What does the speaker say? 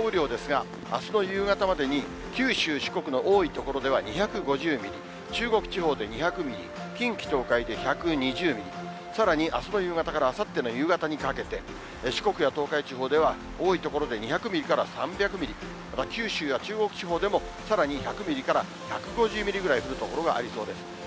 雨量ですが、あすの夕方までに九州、四国の多い所では２５０ミリ、中国地方で２００ミリ、近畿、東海で１２０ミリ、さらにあすの夕方からあさっての夕方にかけて、四国や東海地方では、多い所で２００ミリから３００ミリ、また九州や中国地方でも、さらに１００ミリから１５０ミリぐらい降る所がありそうです。